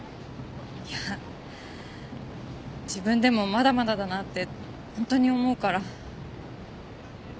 いや自分でもまだまだだなってホントに思うから。